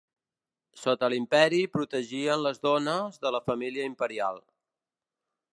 Sota l'imperi protegien les dones de la família imperial.